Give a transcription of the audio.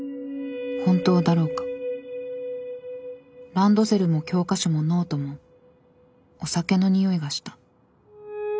ランドセルも教科書もノートもお酒のにおいがした。